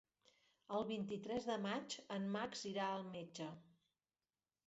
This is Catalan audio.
El vint-i-tres de maig en Max irà al metge.